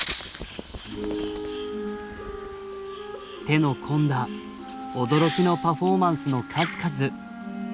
手の込んだ驚きのパフォーマンスの数々。